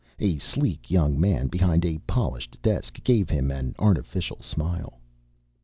A sleek young man behind a polished desk gave him an artificial smile.